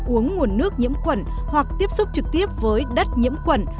uống nguồn nước nhiễm khuẩn hoặc tiếp xúc trực tiếp với đất nhiễm khuẩn